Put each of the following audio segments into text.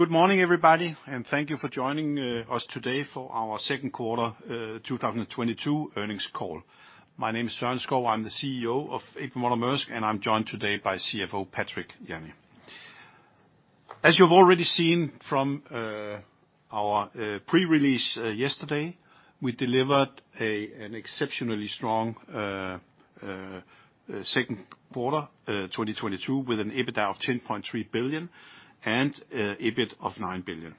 Good morning, everybody, and thank you for joining us today for our second quarter 2022 earnings call. My name is Søren Skou. I'm the CEO of A.P. Moller - Maersk, and I'm joined today by CFO Patrick Jany. As you've already seen from our pre-release yesterday, we delivered an exceptionally strong second quarter 2022 with an EBITDA of $10.3 billion and EBIT of $9 billion.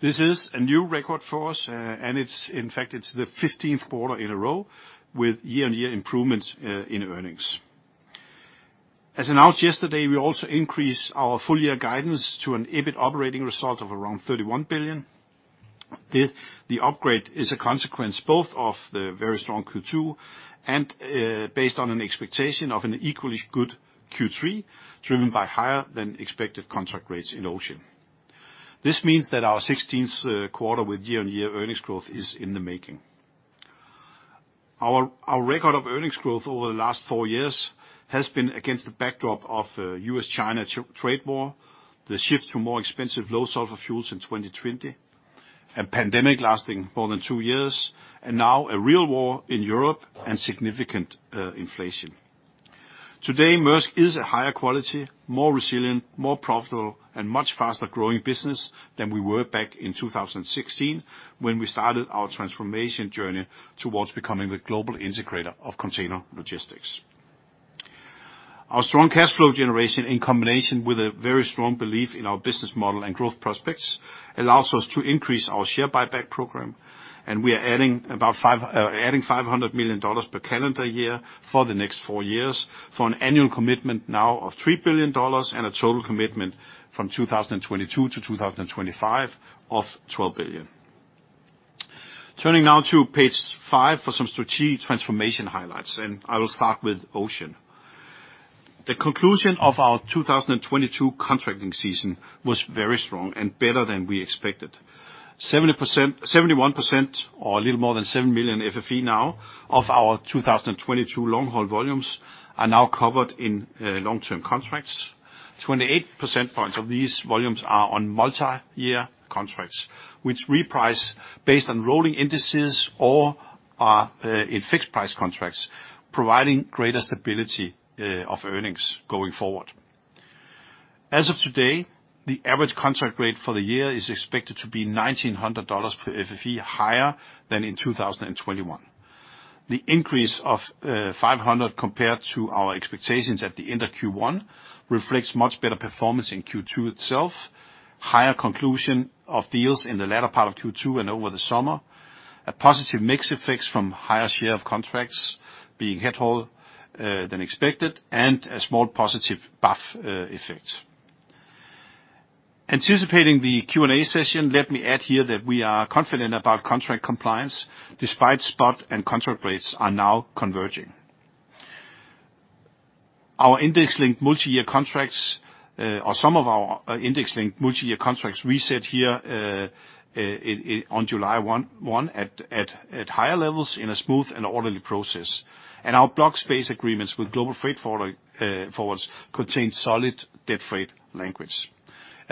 This is a new record for us, and it's in fact the 15th quarter in a row with year-on-year improvements in earnings. As announced yesterday, we also increased our full year guidance to an EBIT operating result of around $31 billion. The upgrade is a consequence both of the very strong Q2 and based on an expectation of an equally good Q3, driven by higher than expected contract rates in Ocean. This means that our 16th quarter with year-on-year earnings growth is in the making. Our record of earnings growth over the last four years has been against the backdrop of U.S.-China trade war, the shift to more expensive low sulfur fuels in 2020, a pandemic lasting more than two years, and now a real war in Europe and significant inflation. Today, Maersk is a higher quality, more resilient, more profitable, and much faster growing business than we were back in 2016, when we started our transformation journey towards becoming the global integrator of container logistics. Our strong cash flow generation, in combination with a very strong belief in our business model and growth prospects, allows us to increase our share buyback program, and we are adding $500 million per calendar year for the next four years for an annual commitment now of $3 billion and a total commitment from 2022 to 2025 of $12 billion. Turning now to page five for some strategic transformation highlights, and I will start with Ocean. The conclusion of our 2022 contracting season was very strong and better than we expected. 71% or a little more than 7 million FFE now of our 2022 long-haul volumes are now covered in long-term contracts. 28 percentage points of these volumes are on multiyear contracts, which reprice based on rolling indices or are in fixed price contracts, providing greater stability of earnings going forward. As of today, the average contract rate for the year is expected to be $1,900 per FFE, higher than in 2021. The increase of $500 compared to our expectations at the end of Q1 reflects much better performance in Q2 itself, higher conclusion of deals in the latter part of Q2 and over the summer, a positive mix effect from higher share of contracts being headhauled than expected, and a small positive BAF effect. Anticipating the Q&A session, let me add here that we are confident about contract compliance despite spot and contract rates are now converging. Our index-linked multi-year contracts reset here on July 1 at higher levels in a smooth and orderly process. Our block space agreements with global freight forwarders contain solid dead freight language.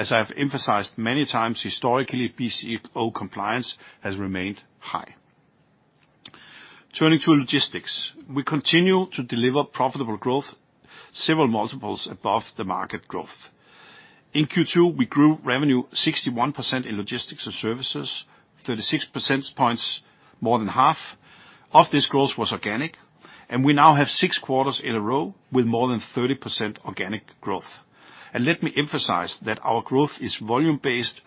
As I have emphasized many times historically, BCO compliance has remained high. Turning to logistics. We continue to deliver profitable growth several multiples above the market growth. In Q2, we grew revenue 61% in logistics and services, 36 percentage points more than half of this growth was organic, and we now have six quarters in a row with more than 30% organic growth. Let me emphasize that our growth is volume-based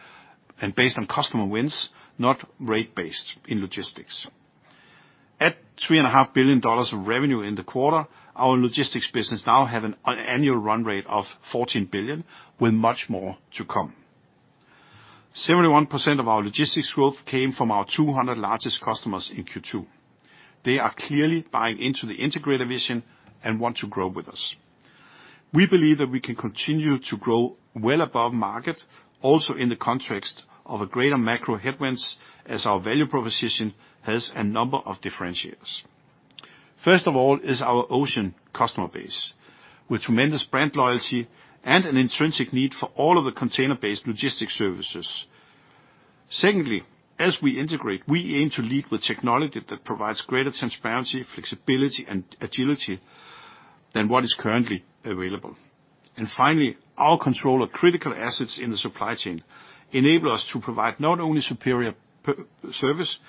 and based on customer wins, not rate-based in logistics. At $3.5 billion of revenue in the quarter, our logistics business now have an annual run rate of $14 billion with much more to come. 71% of our logistics growth came from our 200 largest customers in Q2. They are clearly buying into the integrator vision and want to grow with us. We believe that we can continue to grow well above market, also in the context of a greater macro headwinds, as our value proposition has a number of differentiators. First of all is our Ocean customer base with tremendous brand loyalty and an intrinsic need for all of the container-based logistics services. Secondly, as we integrate, we aim to lead with technology that provides greater transparency, flexibility and agility than what is currently available. Finally, our control of critical assets in the supply chain enable us to provide not only superior per-service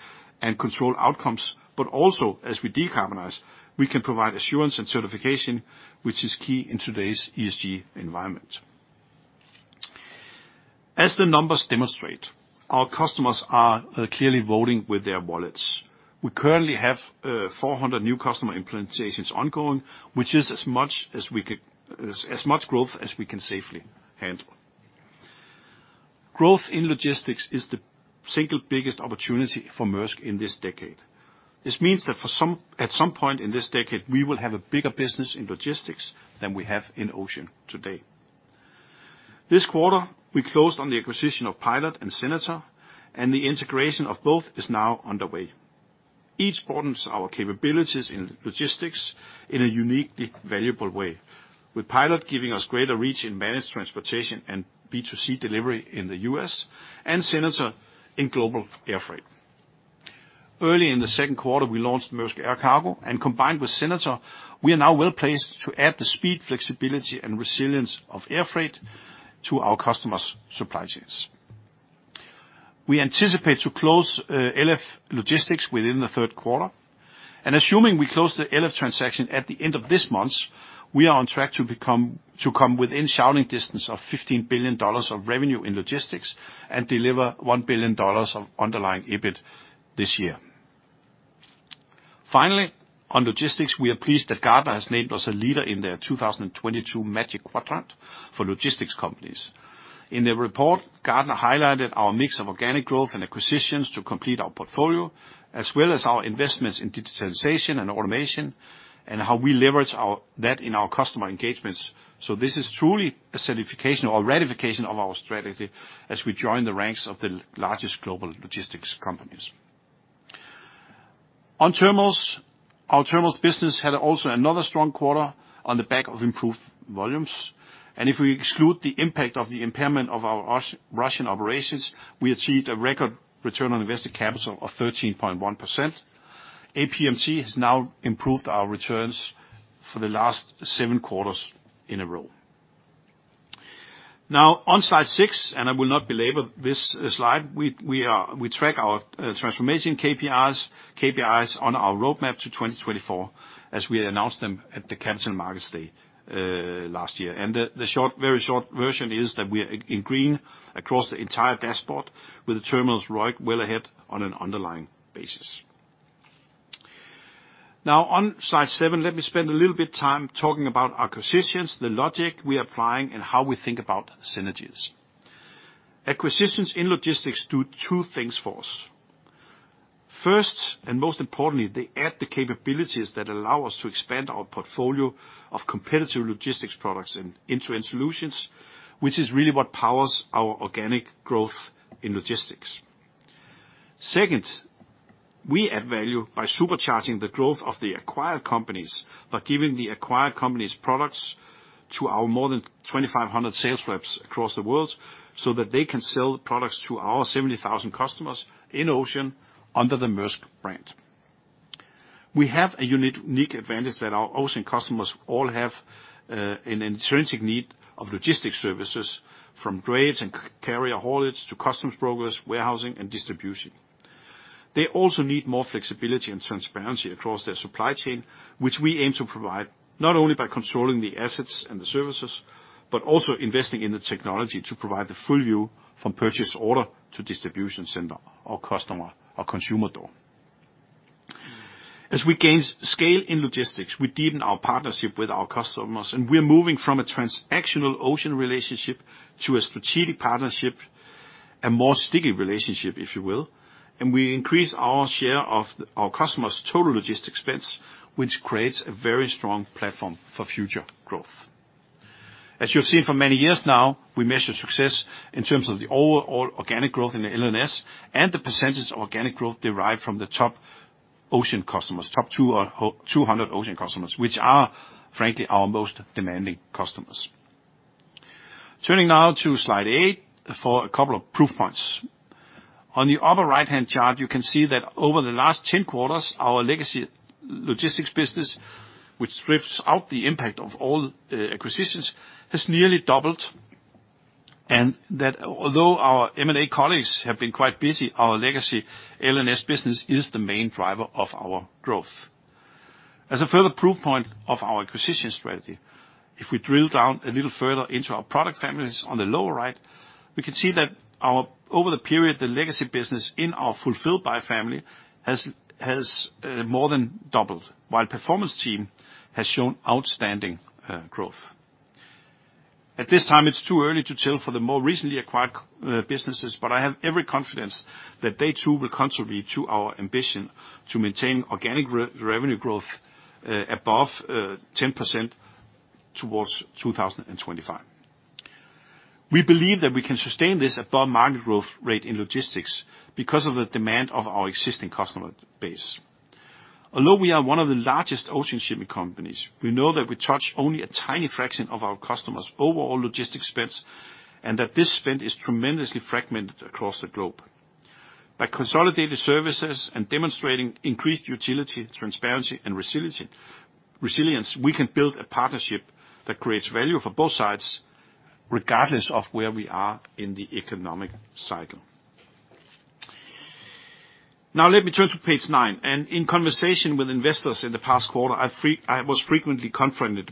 and control outcomes, but also as we decarbonize, we can provide assurance and certification, which is key in today's ESG environment. As the numbers demonstrate, our customers are clearly voting with their wallets. We currently have 400 new customer implementations ongoing, which is as much growth as we can safely handle. Growth in logistics is the single biggest opportunity for Maersk in this decade. This means that at some point in this decade, we will have a bigger business in logistics than we have in Ocean today. This quarter, we closed on the acquisition of Pilot and Senator, and the integration of both is now underway. Each broadens our capabilities in logistics in a uniquely valuable way, with Pilot giving us greater reach in managed transportation and B2C delivery in the U.S., and Senator in global air freight. Early in the second quarter, we launched Maersk Air Cargo, and combined with Senator, we are now well-placed to add the speed, flexibility, and resilience of air freight to our customers' supply chains. We anticipate to close LF Logistics within the third quarter. Assuming we close the LF transaction at the end of this month, we are on track to come within shouting distance of $15 billion of revenue in logistics and deliver $1 billion of underlying EBIT this year. Finally, on logistics, we are pleased that Gartner has named us a leader in their 2022 Magic Quadrant for logistics companies. In their report, Gartner highlighted our mix of organic growth and acquisitions to complete our portfolio, as well as our investments in digitalization and automation, and how we leverage that in our customer engagements. This is truly a certification or ratification of our strategy as we join the ranks of the largest global logistics companies. On Terminals, our Terminals business had also another strong quarter on the back of improved volumes. If we exclude the impact of the impairment of our Russian operations, we achieved a record return on invested capital of 13.1%. APMT has now improved our returns for the last seven quarters in a row. Now on slide six, and I will not belabor this slide, we track our transformation KPIs on our roadmap to 2024, as we announced them at the Capital Markets Day last year. The short, very short version is that we are in green across the entire dashboard with the Terminals right well ahead on an underlying basis. Now on slide seven, let me spend a little bit time talking about acquisitions, the logic we're applying, and how we think about synergies. Acquisitions in logistics do two things for us. First, and most importantly, they add the capabilities that allow us to expand our portfolio of competitive logistics products and end-to-end solutions, which is really what powers our organic growth in logistics. Second, we add value by supercharging the growth of the acquired companies by giving the acquired company's products to our more than 2,500 sales reps across the world, so that they can sell the products to our 70,000 customers in Ocean under the Maersk brand. We have a unique advantage that our Ocean customers all have, an intrinsic need of logistics services, from trades and carrier haulage to customs brokers, warehousing, and distribution. They also need more flexibility and transparency across their supply chain, which we aim to provide, not only by controlling the assets and the services, but also investing in the technology to provide the full view from purchase order to distribution center or customer or consumer door. As we gain scale in logistics, we deepen our partnership with our customers, and we're moving from a transactional Ocean relationship to a strategic partnership, a more sticky relationship, if you will, and we increase our share of our customers' total logistics expense, which creates a very strong platform for future growth. As you have seen for many years now, we measure success in terms of the overall organic growth in the L&S and the percentage of organic growth derived from the top Ocean customers, top 200 Ocean customers, which are, frankly, our most demanding customers. Turning now to slide eight for a couple of proof points. On the upper right-hand chart, you can see that over the last 10 quarters, our legacy logistics business, which strips out the impact of all acquisitions, has nearly doubled, and that although our M&A colleagues have been quite busy, our legacy L&S business is the main driver of our growth. As a further proof point of our acquisition strategy, if we drill down a little further into our product families on the lower right, we can see that, over the period, the legacy business in our Fulfilled by family has more than doubled, while Performance Team has shown outstanding growth. At this time, it's too early to tell for the more recently acquired businesses, but I have every confidence that they too will contribute to our ambition to maintain organic revenue growth above 10% towards 2025. We believe that we can sustain this above market growth rate in logistics because of the demand of our existing customer base. Although we are one of the largest ocean shipping companies, we know that we touch only a tiny fraction of our customers' overall logistics spend, and that this spend is tremendously fragmented across the globe. By consolidating services and demonstrating increased utility, transparency, and resilience, we can build a partnership that creates value for both sides, regardless of where we are in the economic cycle. Now let me turn to page nine. In conversation with investors in the past quarter, I was frequently confronted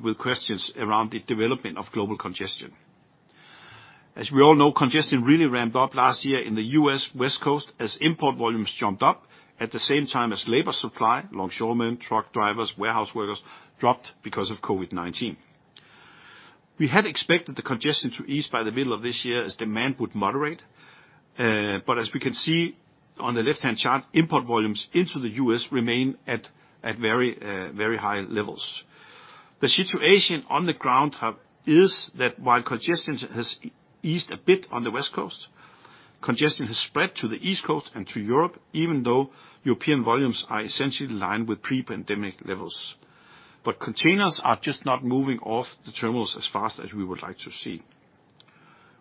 with questions around the development of global congestion. As we all know, congestion really ramped up last year in the U.S. West Coast as import volumes jumped up at the same time as labor supply, longshoremen, truck drivers, warehouse workers, dropped because of COVID-19. We had expected the congestion to ease by the middle of this year as demand would moderate. As we can see on the left-hand chart, import volumes into the U.S. remain at very high levels. The situation on the ground is that while congestion has eased a bit on the West Coast, congestion has spread to the East Coast and to Europe, even though European volumes are essentially in line with pre-pandemic levels. Containers are just not moving off the terminals as fast as we would like to see.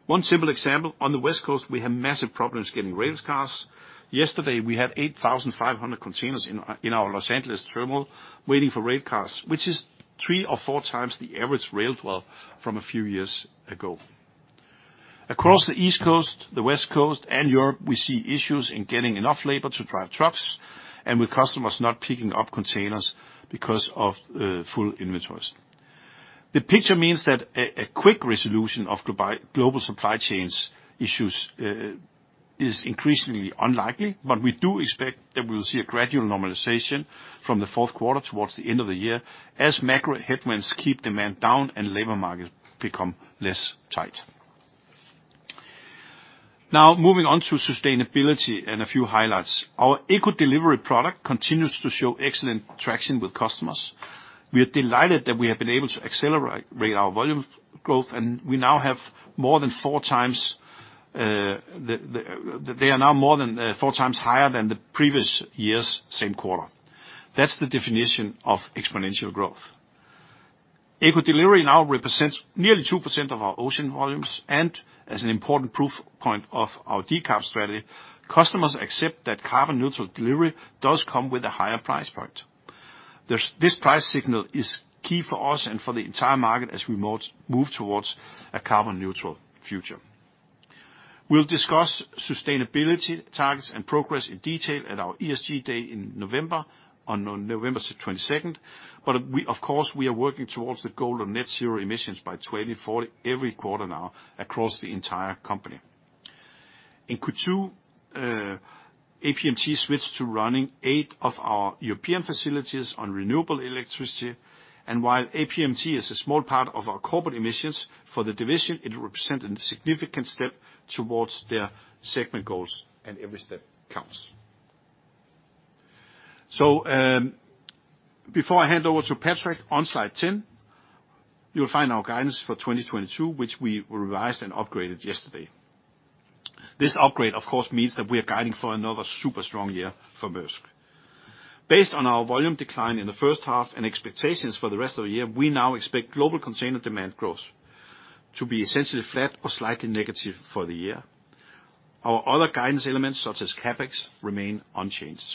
One simple example, on the West Coast, we have massive problems getting rail cars. Yesterday, we had 8,500 containers in our Los Angeles terminal waiting for rail cars, which is 3x or 4x the average rail dwell from a few years ago. Across the East Coast, the West Coast, and Europe, we see issues in getting enough labor to drive trucks and with customers not picking up containers because of full inventories. The picture means that a quick resolution of global supply chains issues is increasingly unlikely, but we do expect that we will see a gradual normalization from the fourth quarter towards the end of the year as macro headwinds keep demand down and labor market become less tight. Now, moving on to sustainability and a few highlights. Our ECO Delivery product continues to show excellent traction with customers. We are delighted that we have been able to accelerate rail volume growth, and they are now more than four times higher than the previous year's same quarter. That's the definition of exponential growth. ECO Delivery now represents nearly 2% of our ocean volumes, and as an important proof point of our decarb strategy, customers accept that carbon-neutral delivery does come with a higher price point. This price signal is key for us and for the entire market as we move towards a carbon-neutral future. We'll discuss sustainability targets and progress in detail at our ESG day in November, on November 22nd, but we, of course, are working towards the goal of net zero emissions by 2024 every quarter now across the entire company. In Q2, APMT switched to running eight of our European facilities on renewable electricity, and while APMT is a small part of our corporate emissions, for the division, it represents a significant step towards their segment goals, and every step counts. Before I hand over to Patrick, on slide 10, you'll find our guidance for 2022, which we revised and upgraded yesterday. This upgrade, of course, means that we are guiding for another super strong year for Maersk. Based on our volume decline in the first half and expectations for the rest of the year, we now expect global container demand growth to be essentially flat or slightly negative for the year. Our other guidance elements, such as CapEx, remain unchanged.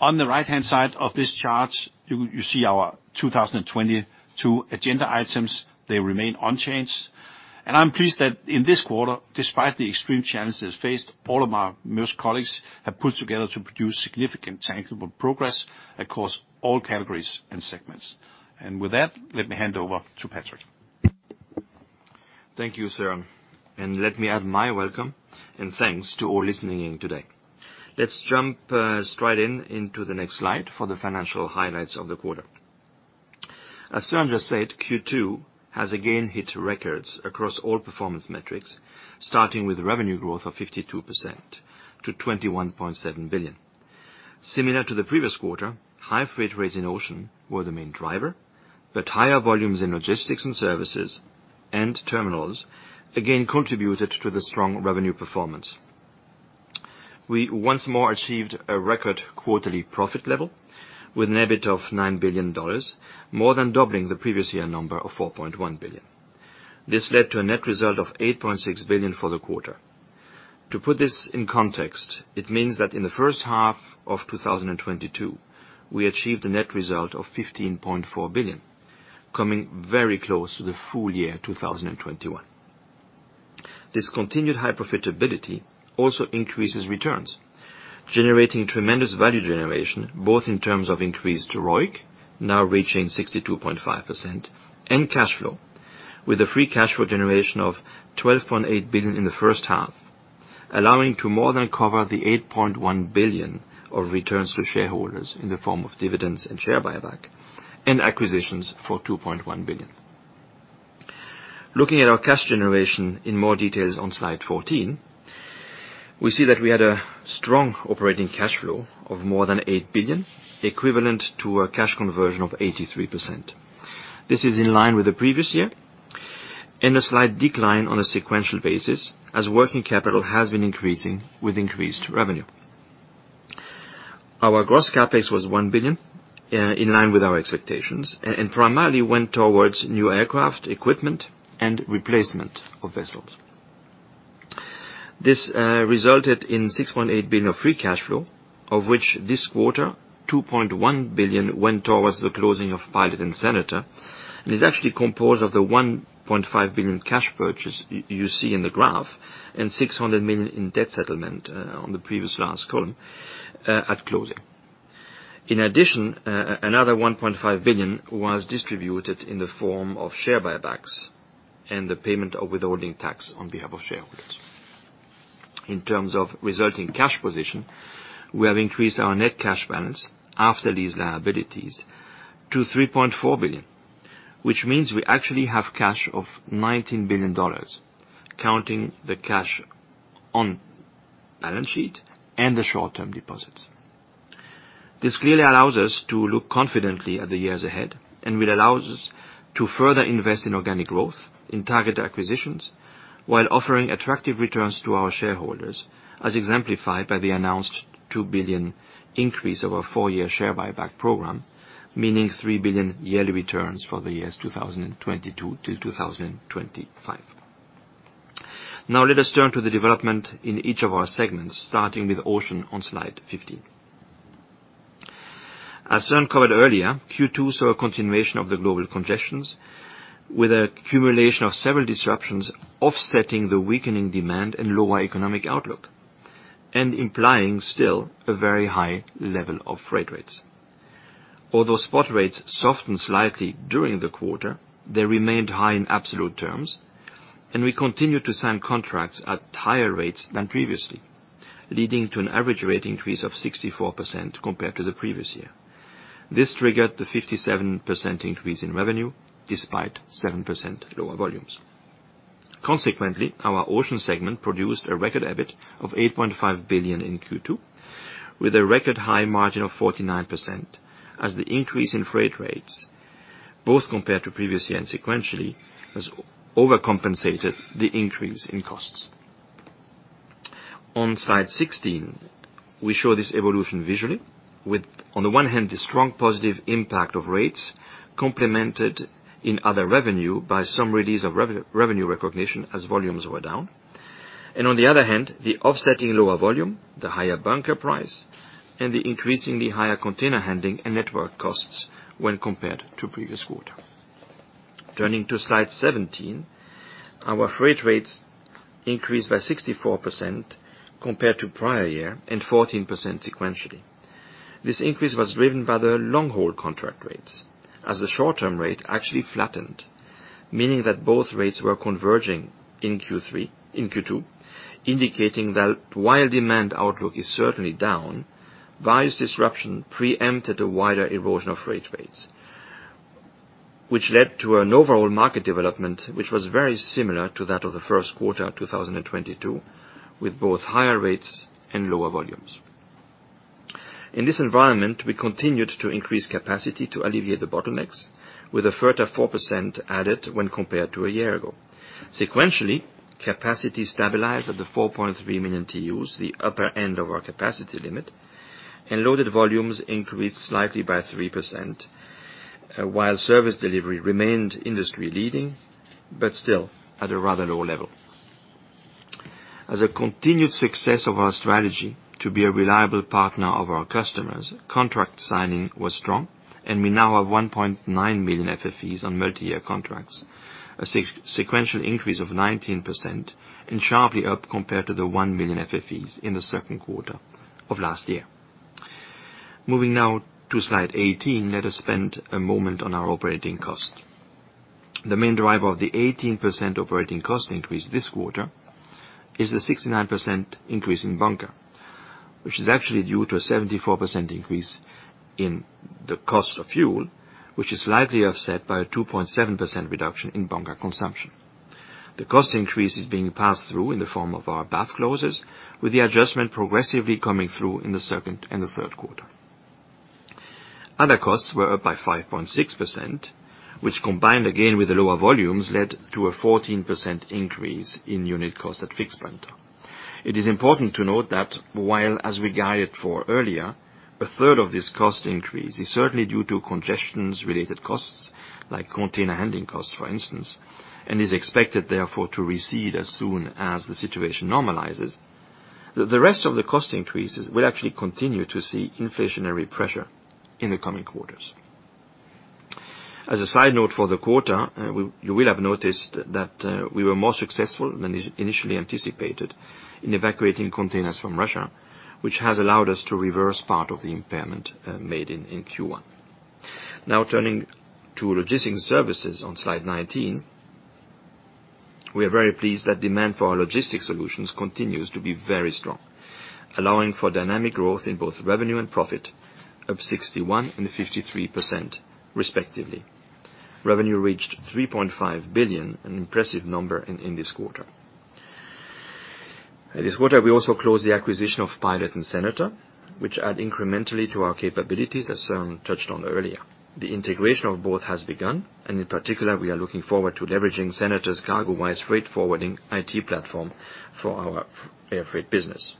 On the right-hand side of this chart, you see our 2022 agenda items. They remain unchanged. I'm pleased that in this quarter, despite the extreme challenges faced, all of our Maersk colleagues have pulled together to produce significant tangible progress across all categories and segments. With that, let me hand over to Patrick. Thank you, Søren. Let me add my welcome and thanks to all listening in today. Let's jump straight into the next slide for the financial highlights of the quarter. As Søren just said, Q2 has again hit records across all performance metrics, starting with revenue growth of 52% to $21.7 billion. Similar to the previous quarter, high freight rates in ocean were the main driver, but higher volumes in logistics and services and terminals again contributed to the strong revenue performance. We once more achieved a record quarterly profit level with an EBIT of $9 billion, more than doubling the previous year number of $4.1 billion. This led to a net result of $8.6 billion for the quarter. To put this in context, it means that in the first half of 2022, we achieved a net result of $15.4 billion, coming very close to the full year 2021. This continued high profitability also increases returns, generating tremendous value generation, both in terms of increased ROIC, now reaching 62.5%, and cash flow, with a free cash flow generation of $12.8 billion in the first half, allowing to more than cover the $8.1 billion of returns to shareholders in the form of dividends and share buyback and acquisitions for $2.1 billion. Looking at our cash generation in more details on slide 14, we see that we had a strong operating cash flow of more than $8 billion, equivalent to a cash conversion of 83%. This is in line with the previous year and a slight decline on a sequential basis as working capital has been increasing with increased revenue. Our gross CapEx was $1 billion in line with our expectations, and primarily went towards new aircraft, equipment, and replacement of vessels. This resulted in $6.8 billion of free cash flow, of which this quarter, $2.1 billion went towards the closing of Pilot & Senator, and is actually composed of the $1.5 billion cash purchase you see in the graph, and $600 million in debt settlement on the previous last column at closing. In addition, another $1.5 billion was distributed in the form of share buybacks and the payment of withholding tax on behalf of shareholders. In terms of resulting cash position, we have increased our net cash balance after these liabilities to $3.4 billion, which means we actually have cash of $19 billion, counting the cash on-balance sheet and the short-term deposits. This clearly allows us to look confidently at the years ahead, and will allow us to further invest in organic growth, in targeted acquisitions, while offering attractive returns to our shareholders, as exemplified by the announced $2 billion increase of our four-year share buyback program, meaning $3 billion yearly returns for the years 2022 to 2025. Now let us turn to the development in each of our segments, starting with Ocean on slide 15. As Søren covered earlier, Q2 saw a continuation of the global congestions, with an accumulation of several disruptions offsetting the weakening demand and lower economic outlook, and implying still a very high level of freight rates. Although spot rates softened slightly during the quarter, they remained high in absolute terms, and we continued to sign contracts at higher rates than previously, leading to an average rate increase of 64% compared to the previous year. This triggered the 57% increase in revenue despite 7% lower volumes. Consequently, our Ocean segment produced a record EBIT of $8.5 billion in Q2, with a record high margin of 49%, as the increase in freight rates, both compared to previously and sequentially, has overcompensated the increase in costs. On slide 16, we show this evolution visually with, on the one hand, the strong positive impact of rates complemented in other revenue by some release of revenue recognition as volumes were down. On the other hand, the offsetting lower volume, the higher bunker price, and the increasingly higher container handling and network costs when compared to previous quarter. Turning to slide 17, our freight rates increased by 64% compared to prior year and 14% sequentially. This increase was driven by the long-haul contract rates as the short-term rate actually flattened, meaning that both rates were converging in Q2, indicating that while demand outlook is certainly down, various disruption preempted a wider erosion of freight rates, which led to an overall market development, which was very similar to that of the first quarter 2022, with both higher rates and lower volumes. In this environment, we continued to increase capacity to alleviate the bottlenecks with a further 4% added when compared to a year ago. Sequentially, capacity stabilized at the 4.3 million TEUs, the upper end of our capacity limit, and loaded volumes increased slightly by 3%, while service delivery remained industry-leading, but still at a rather low level. As a continued success of our strategy to be a reliable partner of our customers, contract signing was strong, and we now have 1.9 million FFEs on multi-year contracts, a sequential increase of 19% and sharply up compared to the 1 million FFEs in the second quarter of last year. Moving now to slide 18. Let us spend a moment on our operating cost. The main driver of the 18% operating cost increase this quarter is the 69% increase in bunker, which is actually due to a 74% increase in the cost of fuel, which is slightly offset by a 2.7% reduction in bunker consumption. The cost increase is being passed through in the form of our BAF clauses, with the adjustment progressively coming through in the second and the third quarter. Other costs were up by 5.6%, which combined again with the lower volumes led to a 14% increase in unit cost at fixed bunker. It is important to note that while, as we guided for earlier, a third of this cost increase is certainly due to congestion-related costs, like container handling costs, for instance, and is expected therefore to recede as soon as the situation normalizes. The rest of the cost increases will actually continue to see inflationary pressure in the coming quarters. As a side note for the quarter, you will have noticed that we were more successful than is initially anticipated in evacuating containers from Russia, which has allowed us to reverse part of the impairment made in Q1. Now turning to Logistics services on slide 19. We are very pleased that demand for our logistics solutions continues to be very strong, allowing for dynamic growth in both revenue and profit of 61% and 53% respectively. Revenue reached $3.5 billion, an impressive number in this quarter. This quarter, we also closed the acquisition of Pilot and Senator, which add incrementally to our capabilities, as Søren touched on earlier. The integration of both has begun, and in particular, we are looking forward to leveraging Senator International's CargoWise freight forwarding IT platform for our air freight business.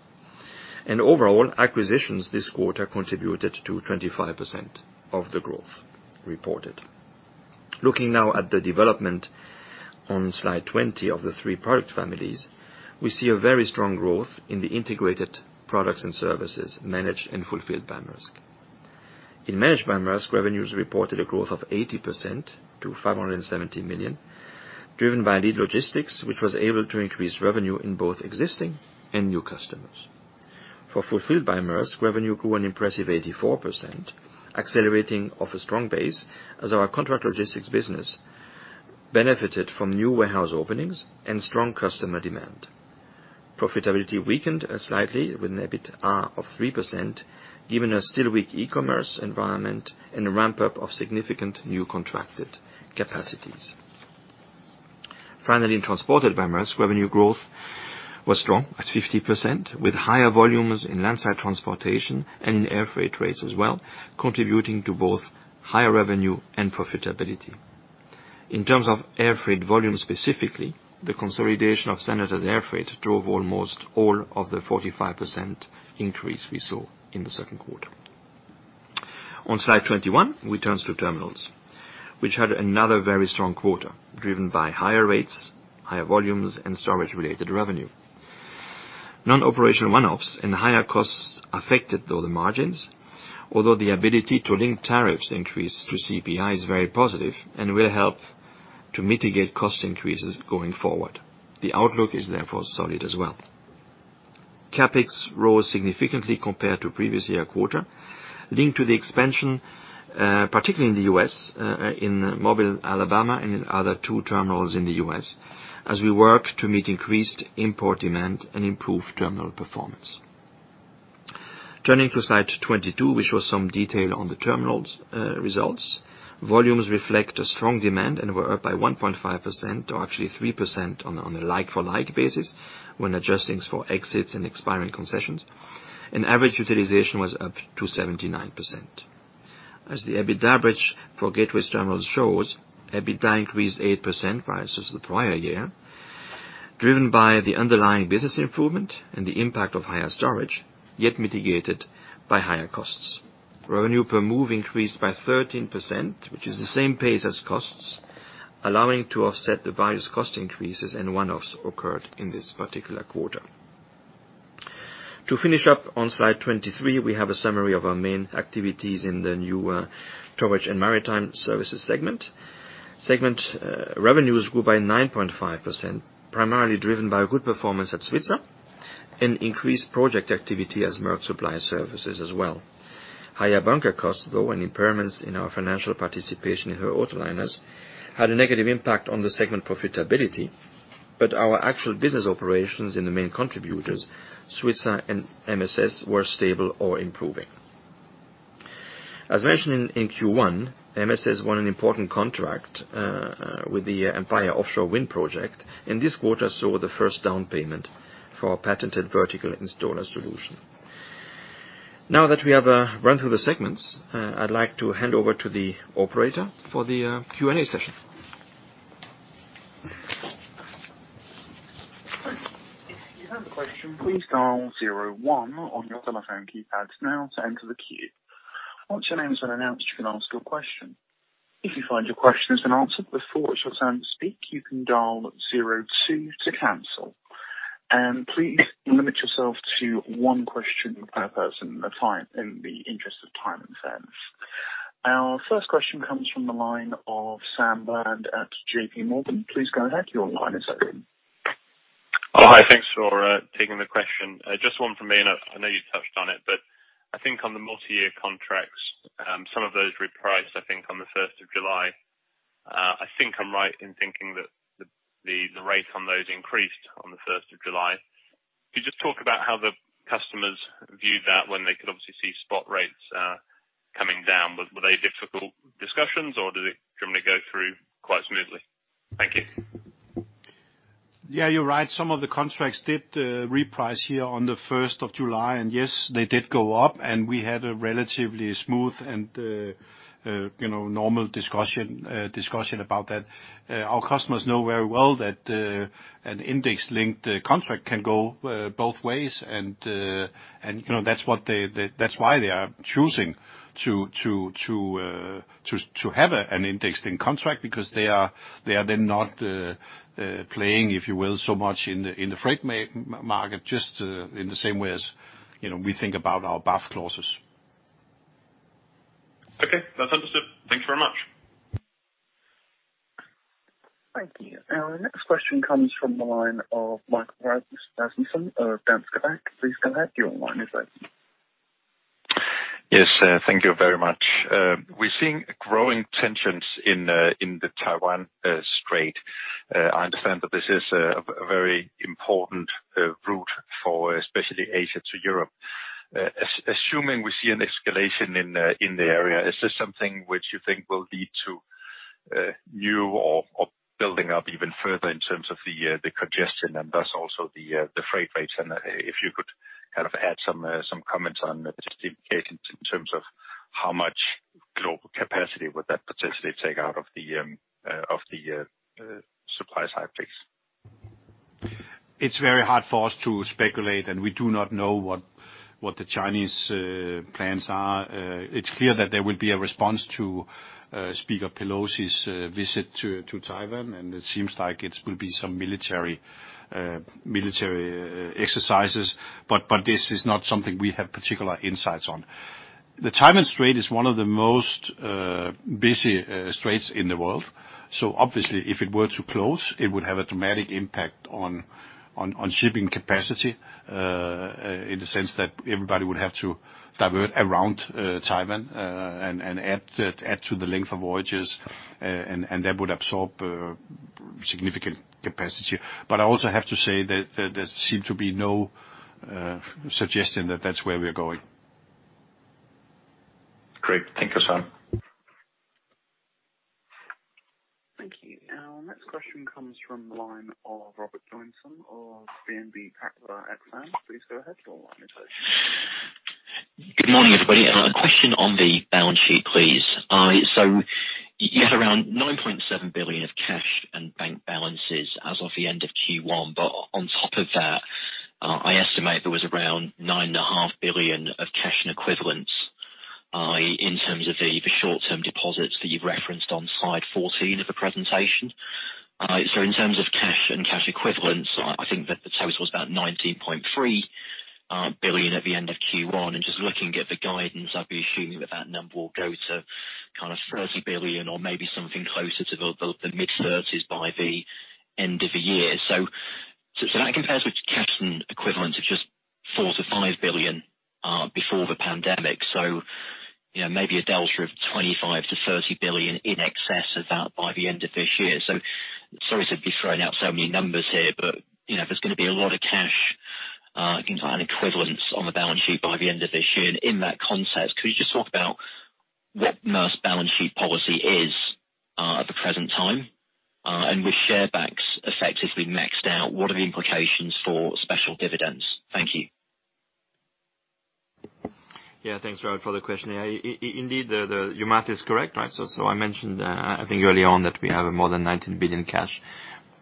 Overall, acquisitions this quarter contributed to 25% of the growth reported. Looking now at the development on slide 20 of the three product families, we see a very strong growth in the integrated products and services managed and fulfilled by Maersk. In Managed by Maersk, revenues reported a growth of 80% to $570 million, driven by lead logistics, which was able to increase revenue in both existing and new customers. For Fulfilled by Maersk, revenue grew an impressive 84%, accelerating off a strong base as our contract logistics business benefited from new warehouse openings and strong customer demand. Profitability weakened slightly with an EBITDA of 3% given a still weak e-commerce environment and a ramp-up of significant new contracted capacities. Finally, in Transported by Maersk, revenue growth was strong at 50%, with higher volumes in landside transportation and in air freight rates as well, contributing to both higher revenue and profitability. In terms of air freight volume specifically, the consolidation of Senator's air freight drove almost all of the 45% increase we saw in the second quarter. On slide 21, we turn to terminals, which had another very strong quarter, driven by higher rates, higher volumes, and storage-related revenue. Non-operational one-offs and higher costs affected all the margins. Although the ability to link tariff increases through CPI is very positive and will help to mitigate cost increases going forward. The outlook is therefore solid as well. CapEx rose significantly compared to previous year quarter, linked to the expansion, particularly in the U.S., in Mobile, Alabama, and in other two terminals in the U.S., as we work to meet increased import demand and improve terminal performance. Turning to slide 22, which shows some detail on the terminals, results. Volumes reflect a strong demand and were up by 1.5%, or actually 3% on a like for like basis when adjusting for exits and expiring concessions. Average utilization was up to 79%. As the EBITDA bridge for gateways terminals shows, EBITDA increased 8% versus the prior year, driven by the underlying business improvement and the impact of higher storage, yet mitigated by higher costs. Revenue per move increased by 13%, which is the same pace as costs, allowing to offset the various cost increases and one-offs occurred in this particular quarter. To finish up on slide 23, we have a summary of our main activities in the new Towage & Maritime Services segment. Segment revenues grew by 9.5%, primarily driven by good performance at Svitzer and increased project activity at Maersk Supply Service as well. Higher bunker costs, though, and impairments in our financial participation in Höegh Autoliners, had a negative impact on the segment profitability, but our actual business operations in the main contributors, Svitzer and MSS, were stable or improving. As mentioned in Q1, MSS won an important contract with the Empire Wind project, and this quarter saw the first down payment for our patented vertical installer solution. Now that we have run through the segments, I'd like to hand over to the operator for the Q&A session. If you have a question, please dial zero one on your telephone keypads now to enter the queue. Once your name is announced, you can ask your question. If you find your question has been answered before it's your turn to speak, you can dial zero two to cancel. Please limit yourself to one question per person at a time in the interest of time and fairness. Our first question comes from the line of Sam Bland at JPMorgan. Please go ahead, your line is open. Oh, hi. Thanks for taking the question. Just one from me, and I know you touched on it, but I think on the multi-year contracts, some of those repriced, I think on the first of July. I think I'm right in thinking that the rate on those increased on the first of July. Could you just talk about how the customers viewed that when they could obviously see spot rates coming down? Were they difficult discussions or did it generally go through quite smoothly? Thank you. Yeah, you're right. Some of the contracts did reprice here on the first of July, and yes, they did go up, and we had a relatively smooth and, you know, normal discussion about that. Our customers know very well that an index-linked contract can go both ways, and, you know, that's why they are choosing to have an index-linked contract because they are then not playing, if you will, so much in the freight market, just in the same way as, you know, we think about our BAF clauses. Okay, that's understood. Thank you very much. Thank you. Our next question comes from the line of Michael Rasmussen of Danske Bank. Please go ahead, your line is open. Yes, thank you very much. We're seeing growing tensions in the Taiwan Strait. I understand that this is a very important route for especially Asia to Europe. Assuming we see an escalation in the area, is this something which you think will lead to new or building up even further in terms of the congestion and thus also the freight rates? If you could kind of add some comments on, in terms of how much global capacity would that potentially take out of the supply side effects. It's very hard for us to speculate, and we do not know what the Chinese plans are. It's clear that there will be a response to Speaker Pelosi's visit to Taiwan, and it seems like it will be some military exercises, but this is not something we have particular insights on. The Taiwan Strait is one of the most busy straits in the world. Obviously, if it were to close, it would have a dramatic impact on shipping capacity, in the sense that everybody would have to divert around Taiwan, and add to the length of voyages, and that would absorb significant capacity. I also have to say that there seem to be no suggestion that that's where we're going. Great. Thank you, Søren. Thank you. Our next question comes from the line of Robert Joynson of BNP Paribas Exane. Please go ahead, your line is open. Good morning, everybody. A question on the balance sheet, please. You had around $9.7 billion of cash and bank balances as of the end of Q1. On top of that, I estimate there was around $9.5 billion of cash and equivalents in terms of the short-term deposits that you've referenced on slide 14 of the presentation. In terms of cash and cash equivalents, I think that the total was about $19.3 billion at the end of Q1. Just looking at the guidance, I'd be assuming that that number will go to kind of $30 billion or maybe something closer to the mid-30s by the end of the year. That compares with cash and equivalent of just $4 billion-$5 billion before the pandemic. You know, maybe a delta of $25 billion-$30 billion in excess of that by the end of this year. Sorry to be throwing out so many numbers here, but, you know, there's gonna be a lot of cash and equivalents on the balance sheet by the end of this year. In that context, could you just talk about what Maersk balance sheet policy is at the present time? With share buybacks effectively maxed out, what are the implications for special dividends? Thank you. Yeah, thanks, Robert, for the question. Indeed, your math is correct, right? I mentioned, I think early on that we have more than $19 billion cash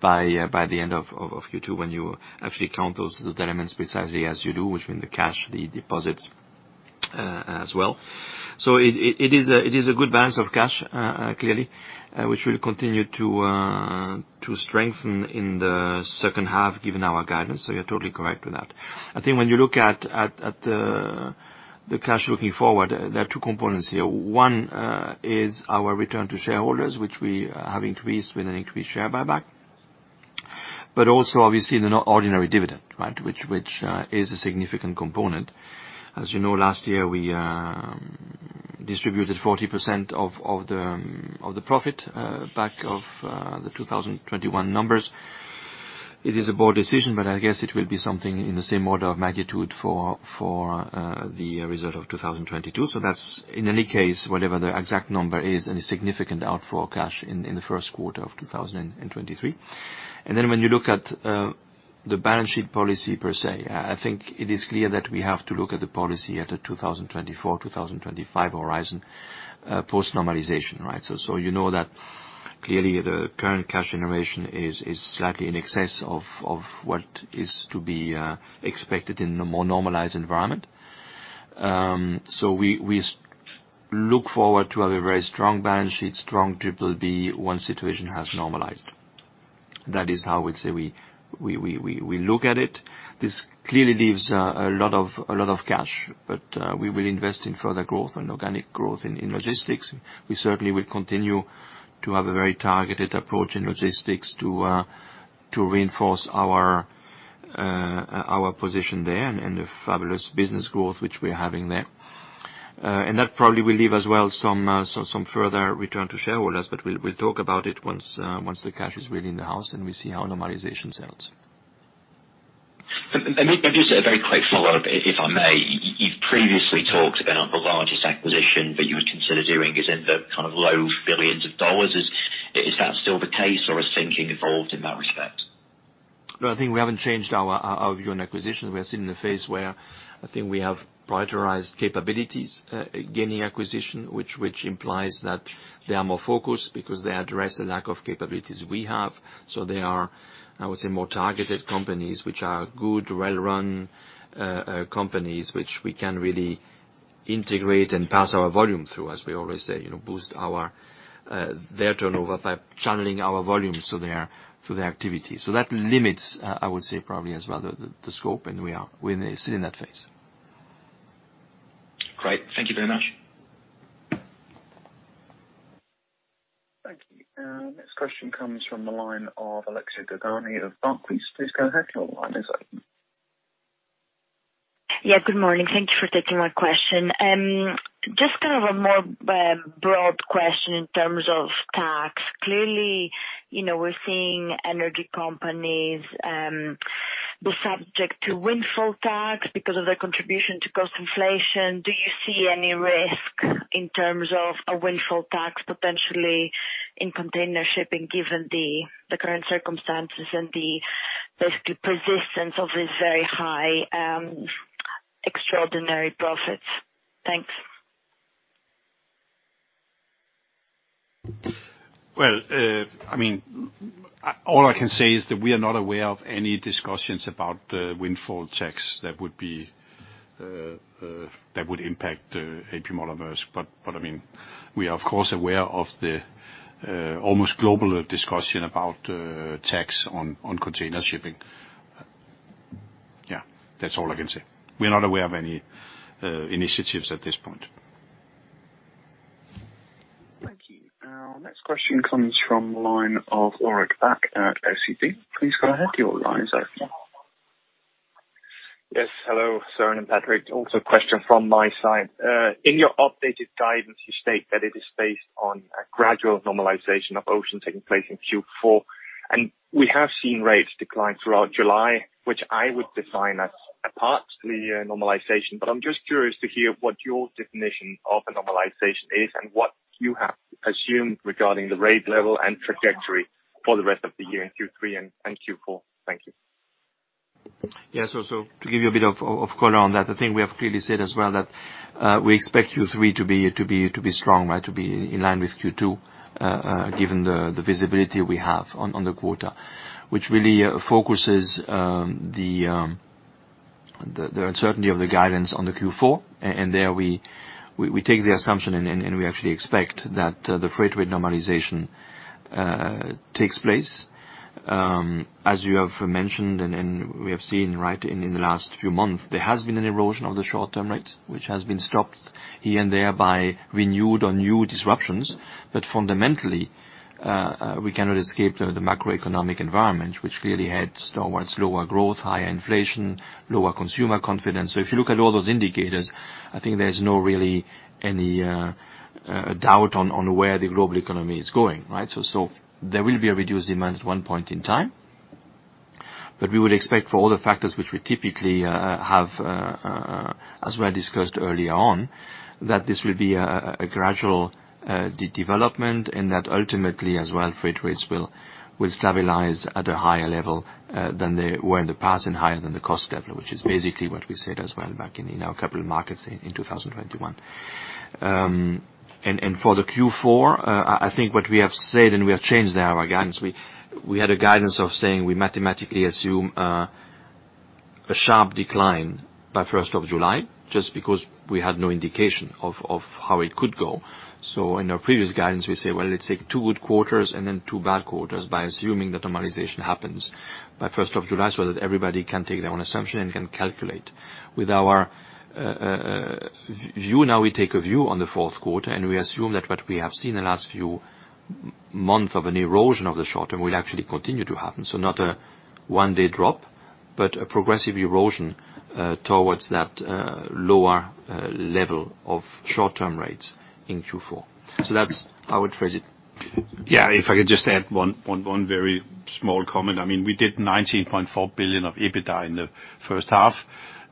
by the end of Q2 when you actually count those elements precisely as you do, which mean the cash, the deposits, as well. It is a good balance of cash, clearly, which we'll continue to strengthen in the second half given our guidance. You're totally correct with that. I think when you look at the cash looking forward, there are two components here. One is our return to shareholders, which we have increased with an increased share buyback, but also obviously in an ordinary dividend, right? Which is a significant component. As you know, last year we distributed 40% of the profit based on the 2021 numbers. It is a board decision, but I guess it will be something in the same order of magnitude for the result of 2022. That's in any case, whatever the exact number is, and a significant outflow of cash in the first quarter of 2023. Then when you look at the balance sheet policy per se, I think it is clear that we have to look at the policy at the 2024, 2025 horizon, post-normalization, right? You know that clearly the current cash generation is slightly in excess of what is to be expected in a more normalized environment. We look forward to have a very strong balance sheet, strong triple-B once situation has normalized. That is how I would say we look at it. This clearly leaves a lot of cash, but we will invest in further growth and organic growth in logistics. We certainly will continue to have a very targeted approach in logistics to reinforce our position there and the fabulous business growth which we are having there. That probably will leave as well some further return to shareholders, but we'll talk about it once the cash is really in the house and we see how normalization settles. May I just a very quick follow-up, if I may. You've previously talked about the largest acquisition that you would consider doing is in the kind of low billions of dollars. Is that still the case or has thinking evolved in that respect? No, I think we haven't changed our view on acquisition. We are sitting in a phase where I think we have prioritized capabilities gaining acquisition, which implies that they are more focused because they address a lack of capabilities we have. They are, I would say, more targeted companies which are good, well-run companies which we can really integrate and pass our volume through, as we always say. You know, boost their turnover by channeling our volumes to their activity. That limits, I would say probably as well the scope and we're sitting in that phase. Great. Thank you very much. Thank you. Our next question comes from the line of Alexia Dogani of Barclays. Please go ahead, your line is open. Yeah, good morning. Thank you for taking my question. Just kind of a more broad question in terms of tax. Clearly, you know, we're seeing energy companies be subject to windfall tax because of their contribution to cost inflation. Do you see any risk in terms of a windfall tax potentially in container shipping, given the current circumstances and the basically persistence of these very high extraordinary profits? Thanks. Well, I mean, all I can say is that we are not aware of any discussions about the windfall tax that would impact A.P. Moller - Maersk. I mean, we are of course aware of the almost global discussion about tax on container shipping. Yeah. That's all I can say. We are not aware of any initiatives at this point. Thank you. Our next question comes from line of Ulrik Bak at SEB. Please go ahead, your line is open. Yes, hello, Søren and Patrick. Also a question from my side. In your updated guidance, you state that it is based on a gradual normalization of ocean taking place in Q4.We have seen rates decline throughout July, which I would define as a partial normalization. I'm just curious to hear what your definition of a normalization is and what you have assumed regarding the rate level and trajectory for the rest of the year in Q3 and Q4. Thank you. Yes. To give you a bit of color on that, I think we have clearly said as well that we expect Q3 to be strong, right, to be in line with Q2, given the visibility we have on the quarter, which really focuses the uncertainty of the guidance on the Q4. There we take the assumption and we actually expect that the freight rate normalization takes place. As you have mentioned and we have seen, right, in the last few months, there has been an erosion of the short-term rates, which has been stopped here and there by renewed or new disruptions. Fundamentally, we cannot escape the macroeconomic environment which clearly heads towards lower growth, higher inflation, lower consumer confidence. If you look at all those indicators, I think there's no really any doubt on where the global economy is going, right? There will be a reduced demand at one point in time, but we would expect for all the factors which we typically have as well discussed earlier on, that this will be a gradual de-development and that ultimately as well, freight rates will stabilize at a higher level than they were in the past and higher than the cost level, which is basically what we said as well back in, you know, capital markets in 2021. For the Q4, I think what we have said, and we have changed our guidance, we had a guidance of saying we mathematically assume a sharp decline by first of July just because we had no indication of how it could go. In our previous guidance, we say, well, let's take two good quarters and then two bad quarters by assuming the normalization happens by first of July so that everybody can take their own assumption and can calculate. With our view now, we take a view on the fourth quarter, and we assume that what we have seen in the last few month of an erosion of the short-term will actually continue to happen. Not a one-day drop, but a progressive erosion towards that lower level of short-term rates in Q4. That's how I'd phrase it. Yeah, if I could just add one very small comment. I mean, we did $19.4 billion of EBITDA in the first half.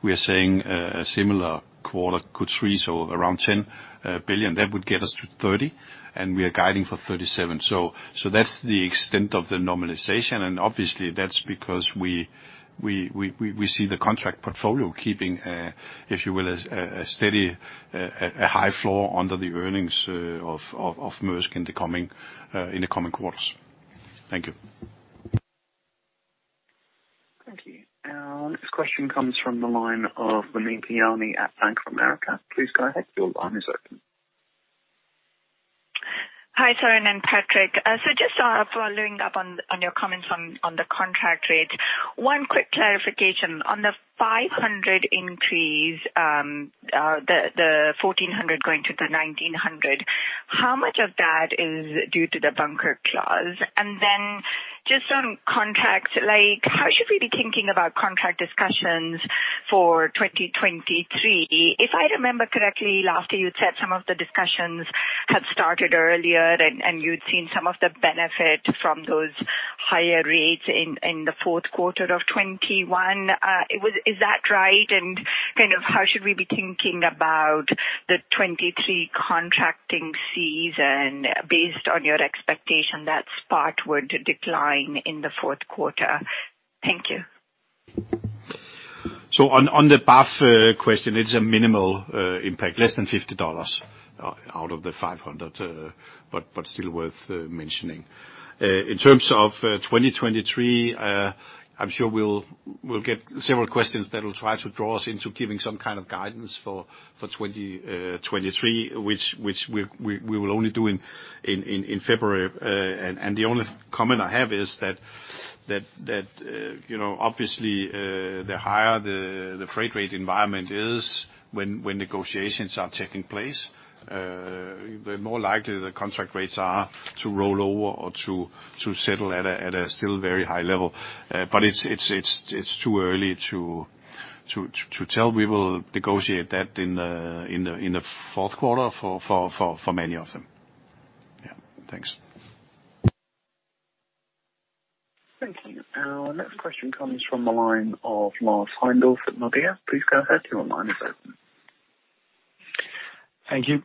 We are seeing a similar Q3, so around $10 billion. That would get us to $30 billion, and we are guiding for $37 billion. That's the extent of the normalization, and obviously that's because we see the contract portfolio keeping, if you will, a steady, high floor under the earnings of Maersk in the coming quarters. Thank you. Thank you. Our next question comes from the line of Parash Jain at HSBC. Please go ahead. Your line is open. Hi, Søren and Patrick. Just following up on your comments on the contract rates, one quick clarification. On the 500 increase, the 1,400 going to the 1,900, how much of that is due to the bunker clause? Just on contracts, like how should we be thinking about contract discussions for 2023? If I remember correctly, last year you'd said some of the discussions had started earlier and you'd seen some of the benefit from those higher rates in the fourth quarter of 2021. Is that right? Kind of how should we be thinking about the 2023 contracting season based on your expectation that spot were to decline in the fourth quarter? Thank you. On the BAF question, it's a minimal impact, less than $50 out of the $500, but still worth mentioning. In terms of 2023, I'm sure we'll get several questions that will try to draw us into giving some kind of guidance for 2023, which we will only do in February. The only comment I have is that, you know, obviously, the higher the freight rate environment is when negotiations are taking place, the more likely the contract rates are to roll over or to settle at a still very high level. It's too early to tell. We will negotiate that in the fourth quarter for many of them. Yeah. Thanks. Thank you. Our next question comes from the line of Lars Heindorff at Nordea. Please go ahead. Your line is open. Thank you,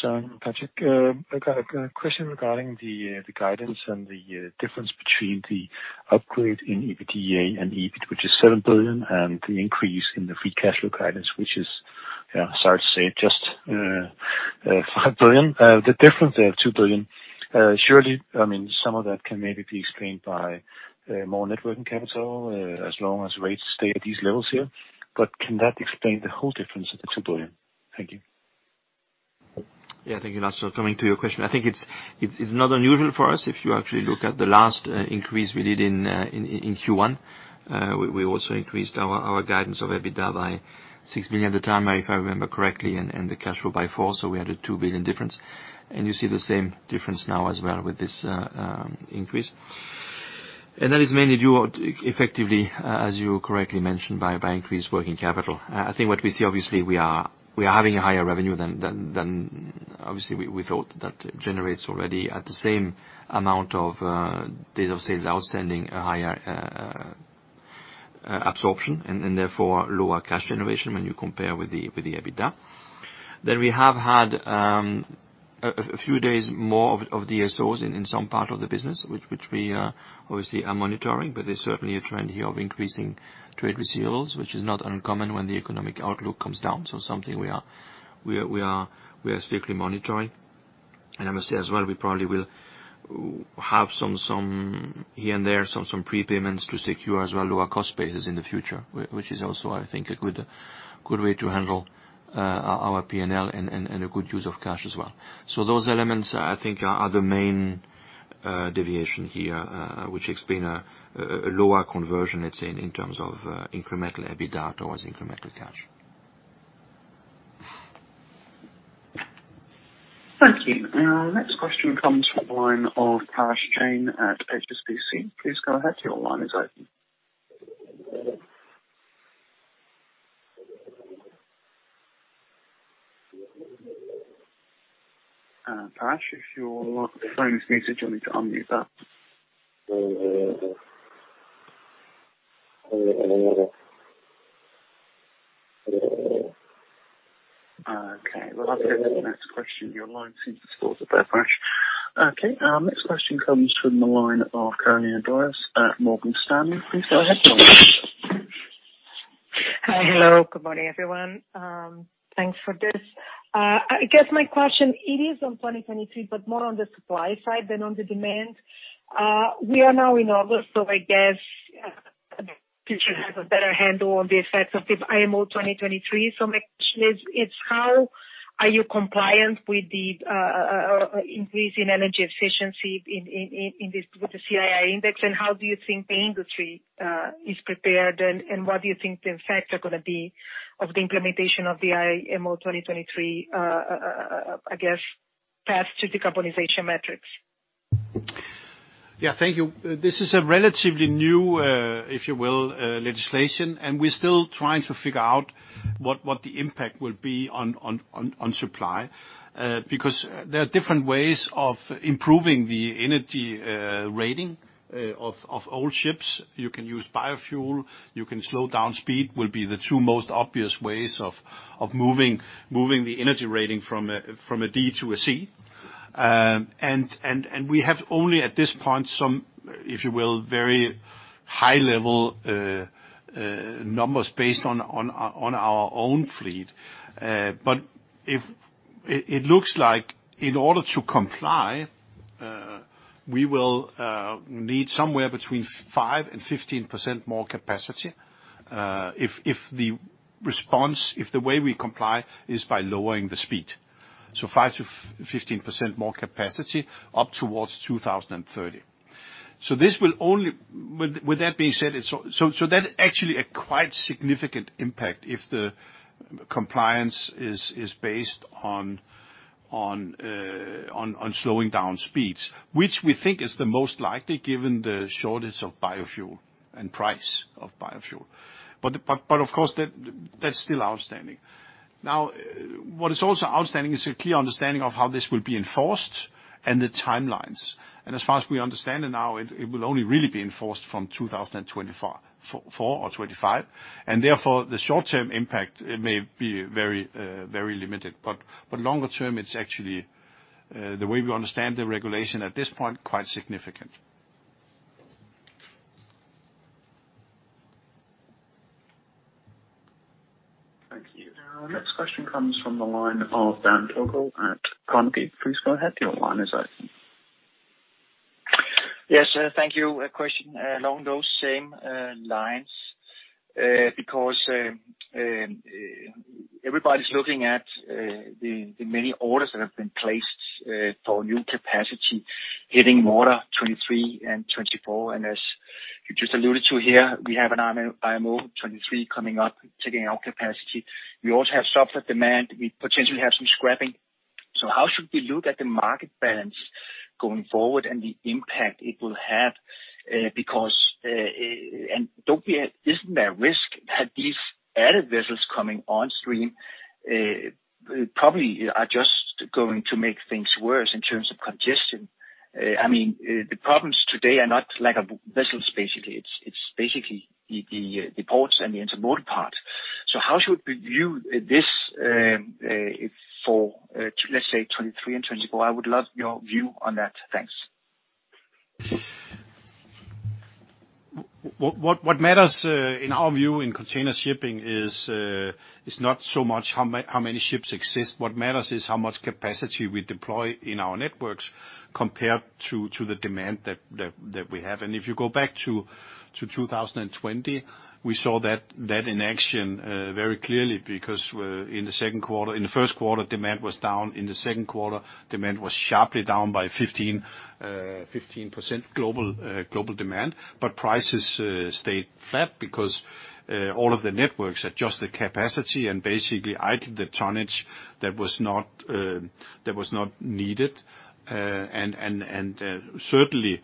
Søren and Patrick. I've got a question regarding the guidance and the difference between the upgrade in EBITDA and EBIT, which is $7 billion, and the increase in the free cash flow guidance, which is, sorry to say, just $5 billion. The difference there of $2 billion, surely, I mean, some of that can maybe be explained by more net working capital, as long as rates stay at these levels here, but can that explain the whole difference of $6 billion? Thank you. Yeah. Thank you, Lars. Coming to your question, I think it's not unusual for us if you actually look at the last increase we did in Q1. We also increased our guidance of EBITDA by $6 billion at the time, if I remember correctly, and the cash flow by $4 billion, so we had a $2 billion difference. You see the same difference now as well with this increase. That is mainly due to effectively, as you correctly mentioned, by increased working capital. I think what we see, obviously we are having a higher revenue than. Obviously, we thought that generates already at the same amount of days of sales outstanding, a higher absorption and therefore lower cash generation when you compare with the EBITDA. We have had a few days more of DSOs in some part of the business, which we obviously are monitoring. There's certainly a trend here of increasing trade receivables, which is not uncommon when the economic outlook comes down. Something we are strictly monitoring. I must say as well, we probably will have some here and there, some prepayments to secure as well lower cost bases in the future, which is also, I think, a good way to handle our P&L and a good use of cash as well. Those elements, I think, are the main deviation here, which explain a lower conversion, let's say, in terms of incremental EBITDA towards incremental cash. Thank you. Our next question comes from the line of Parash Jain at HSBC. Please go ahead, your line is open. Parash, if your phone is muted, you'll need to unmute that. Okay. Well, I'll take the next question. Your line seems to still be up, Parash. Okay, our next question comes from the line of Marco Limite at Morgan Stanley. Please go ahead. Hello. Good morning, everyone. Thanks for this. I guess my question, it is on 2023, but more on the supply side than on the demand. We are now in August, so I guess you should have a better handle on the effects of the IMO 2023. My question is how are you compliant with the increase in energy efficiency with the CII index, and how do you think the industry is prepared, and what do you think the effects are gonna be of the implementation of the IMO 2023, I guess, path to decarbonization metrics? Yeah. Thank you. This is a relatively new, if you will, legislation, and we're still trying to figure out what the impact will be on supply. Because there are different ways of improving the energy rating of old ships. You can use biofuel, you can slow down speed, will be the two most obvious ways of moving the energy rating from a D to a C. And we have only at this point, some, if you will, very high level numbers based on our own fleet. But if it looks like in order to comply, we will need somewhere between 5% and 15% more capacity, if the way we comply is by lowering the speed. 5%-15% more capacity up towards 2030. With that being said, that's actually a quite significant impact if the compliance is based on slowing down speeds, which we think is the most likely, given the shortage of biofuel and price of biofuel. Of course that's still outstanding. Now, what is also outstanding is a clear understanding of how this will be enforced and the timelines. As far as we understand it now, it will only really be enforced from 2024 or 2025, and therefore the short-term impact, it may be very limited. Longer term, it's actually the way we understand the regulation at this point, quite significant. Thank you. Our next question comes from the line of Dan Togo at Carnegie. Please go ahead, your line is open. Yes, thank you. A question along those same lines, because everybody's looking at the many orders that have been placed for new capacity hitting in 2023 and 2024. As you just alluded to here, we have an IMO 2023 coming up, taking out capacity. We also have softer demand. We potentially have some scrapping. How should we look at the market balance going forward and the impact it will have? Isn't there a risk that these added vessels coming on stream probably are just going to make things worse in terms of congestion? I mean, the problems today are not lack of vessels, basically. It's basically the ports and the intermodal part. How should we view this for, let's say, 2023 and 2024? I would love your view on that. Thanks. What matters in our view in container shipping is not so much how many ships exist. What matters is how much capacity we deploy in our networks compared to the demand that we have. If you go back to 2020, we saw that in action very clearly, because in the first quarter, demand was down. In the second quarter, demand was sharply down by 15% global demand. Prices stayed flat because all of the networks adjust the capacity and basically idled the tonnage that was not needed. Certainly,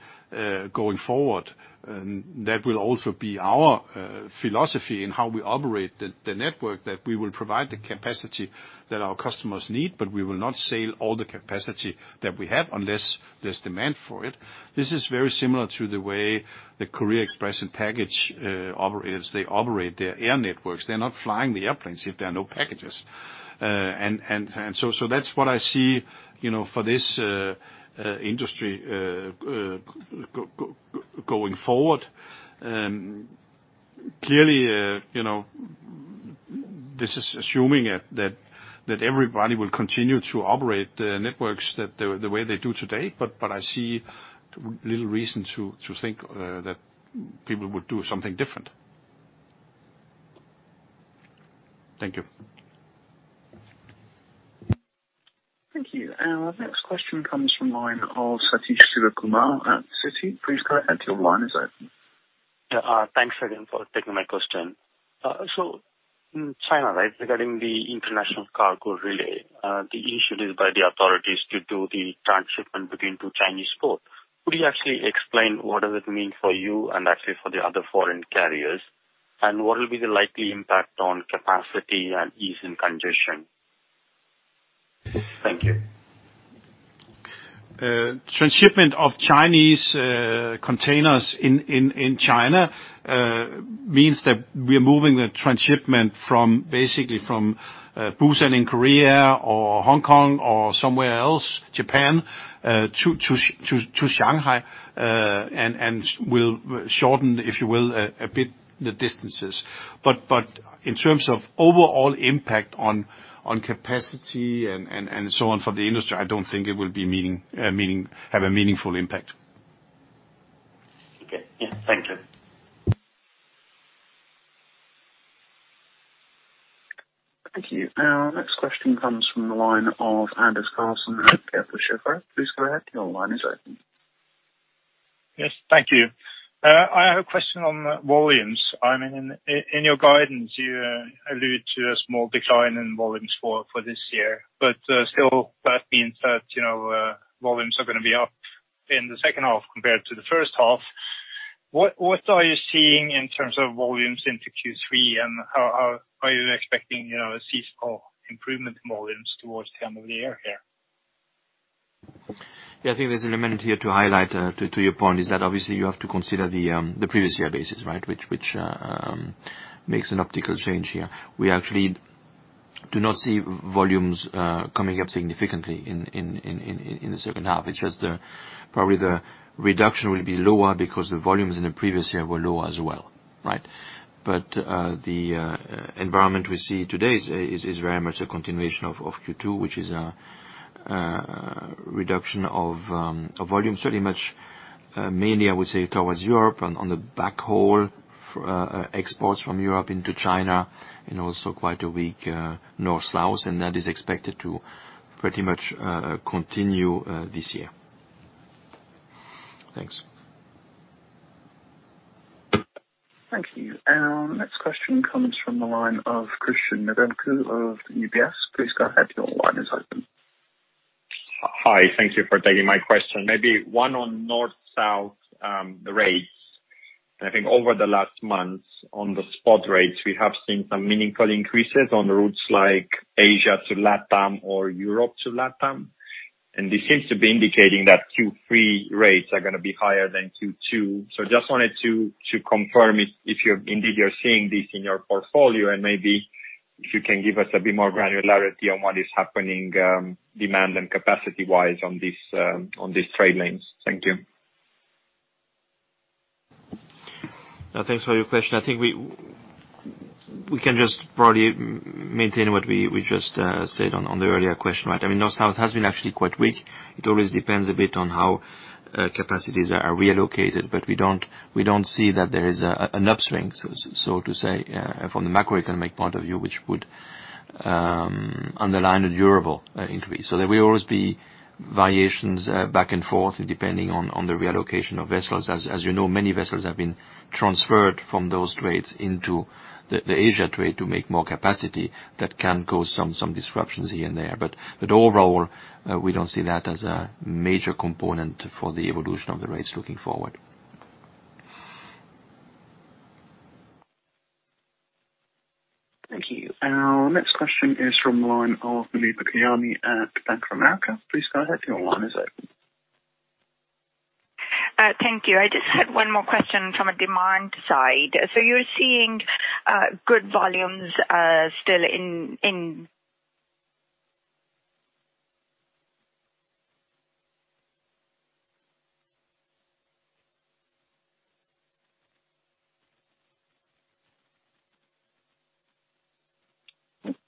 going forward, that will also be our philosophy in how we operate the network, that we will provide the capacity that our customers need, but we will not sail all the capacity that we have unless there's demand for it. This is very similar to the way the Courier, Express, and Parcel operators they operate their air networks. They're not flying the airplanes if there are no packages. That's what I see, you know, for this industry going forward. This is assuming that everybody will continue to operate the networks the way they do today, but I see little reason to think that people would do something different. Thank you. Thank you. Our next question comes from the line of Sathish Sivakumar at Citi. Please go ahead, your line is open. Yeah. Thanks again for taking my question. In China, right, regarding the international cargo relay, the initiative by the authorities to do the transshipment between two Chinese ports. Could you actually explain what does it mean for you and actually for the other foreign carriers, and what will be the likely impact on capacity and ease in congestion? Thank you. Transshipment of Chinese containers in China means that we're moving the transshipment from basically Busan in Korea or Hong Kong or somewhere else, Japan, to Shanghai. We'll shorten, if you will, a bit the distances. In terms of overall impact on capacity and so on for the industry, I don't think it will have a meaningful impact. Okay. Yeah, thank you. Thank you. Our next question comes from the line of Anders Karlsen at Kepler Cheuvreux. Please go ahead, your line is open. Yes, thank you. I have a question on volumes. I mean, in your guidance, you allude to a small decline in volumes for this year. Still that means that, you know, volumes are gonna be up in the second half compared to the first half. What are you seeing in terms of volumes into Q3? And how are you expecting, you know, a seasonal improvement in volumes towards the end of the year here? Yeah, I think there's an element here to highlight to your point is that obviously you have to consider the previous year basis, right? Which makes an optical change here. We actually do not see volumes coming up significantly in the second half. It's just probably the reduction will be lower because the volumes in the previous year were lower as well, right? The environment we see today is very much a continuation of Q2, which is reduction of volume. Certainly much mainly I would say towards Europe on the backhaul exports from Europe into China, and also quite a weak north/south, and that is expected to pretty much continue this year. Thanks. Thank you. Our next question comes from the line of Cristian Nedelcu of UBS. Please go ahead, your line is open. Hi. Thank you for taking my question. Maybe one on north/south, rates. I think over the last months on the spot rates, we have seen some meaningful increases on routes like Asia to Latam or Europe to Latam, and this seems to be indicating that Q3 rates are gonna be higher than Q2. Just wanted to confirm if you're indeed seeing this in your portfolio, and maybe if you can give us a bit more granularity on what is happening, demand and capacity-wise on these trade lanes. Thank you. Thanks for your question. I think we can just probably maintain what we just said on the earlier question, right? I mean, north/south has been actually quite weak. It always depends a bit on how capacities are reallocated, but we don't see that there is an upswing, so to say, from the macroeconomic point of view, which would underline a durable increase. There will always be variations back and forth depending on the reallocation of vessels. As you know, many vessels have been transferred from those trades into the Asia trade to make more capacity that can cause some disruptions here and there. Overall, we don't see that as a major component for the evolution of the rates looking forward. Thank you. Our next question is from the line of Muneeba Kayani at Bank of America. Please go ahead, your line is open. Thank you. I just had one more question from a demand side. You're seeing good volumes.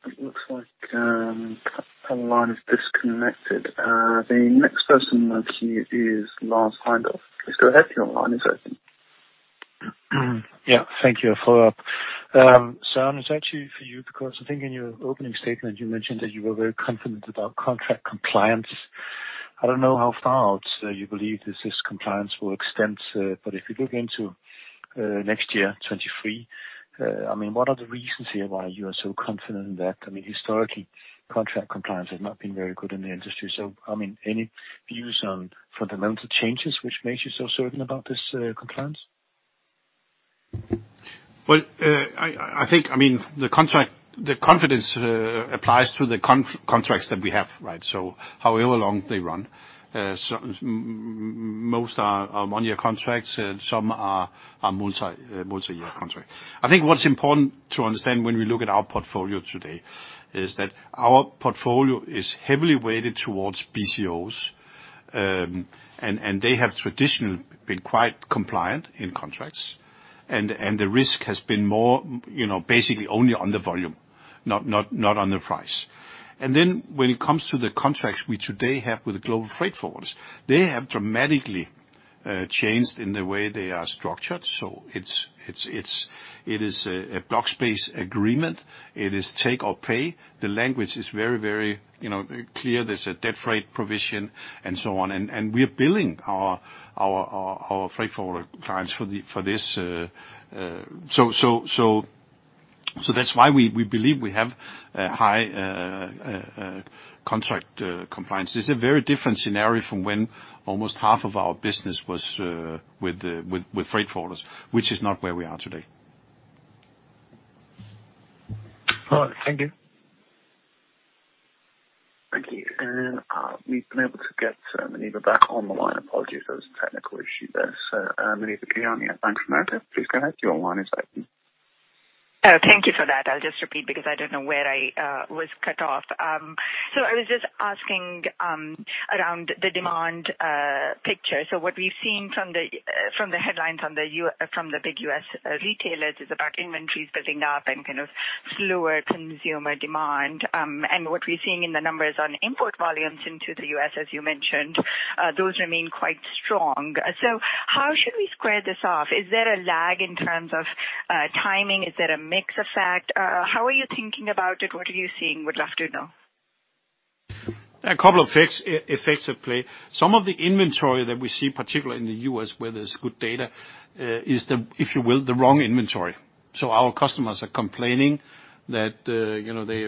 It looks like her line is disconnected. The next person in the queue is Lars Heindorff. Please go ahead, your line is open. Yeah. Thank you. A follow-up. Søren, it's actually for you because I think in your opening statement you mentioned that you were very confident about contract compliance. I don't know how far out you believe this compliance will extend, but if you look into next year, 2023, I mean, what are the reasons here why you are so confident in that? I mean, historically, contract compliance has not been very good in the industry. I mean, any views on fundamental changes which makes you so certain about this compliance? Well, I mean, the confidence applies to the contracts that we have, right? However long they run. Most are one-year contracts and some are multi-year contract. I think what's important to understand when we look at our portfolio today is that our portfolio is heavily weighted towards BCOs. They have traditionally been quite compliant in contracts. The risk has been more, you know, basically only on the volume, not on the price. Then when it comes to the contracts we have today with the global freight forwarders, they have dramatically changed in the way they are structured. It is a block space agreement. It is take or pay. The language is very, you know, clear. There's a dead freight provision and so on. We are billing our freight forwarder clients for this. That's why we believe we have a high contract compliance. This is a very different scenario from when almost half of our business was with freight forwarders, which is not where we are today. All right. Thank you. Thank you. We've been able to get Muneeba back on the line. Apologies, there was a technical issue there. Muneeba Kayani at Bank of America, please go ahead. Your line is open. Oh, thank you for that. I'll just repeat because I don't know where I was cut off. I was just asking around the demand picture. What we've seen from the headlines on the U.S. from the big U.S. retailers is about inventories building up and kind of slower consumer demand, and what we're seeing in the numbers on import volumes into the U.S., as you mentioned, those remain quite strong. How should we square this off? Is there a lag in terms of timing? Is there a mix effect? How are you thinking about it? What are you seeing? Would love to know. A couple of effects at play. Some of the inventory that we see, particularly in the U.S. where there's good data, is the, if you will, the wrong inventory. Our customers are complaining that, you know, they